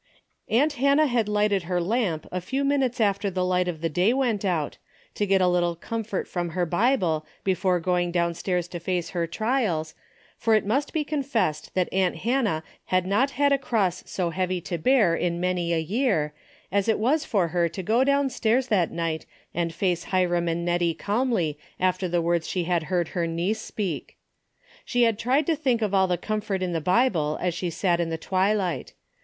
Auot Hannah had lighted her lamp a few minutes after the light of the day Avent out, to get a little comfort from her Bible before going downstairs to face her trials, for it must be confessed that aunt Hannah had not had a cross so heavy to beaif in many a year, as it was for her to go downstairs that night and face Hiram and Hettie calmly after the Avords she had heard her niece speak. She had tried to think of all the comfort in the Bible as she sat in the tAvilight.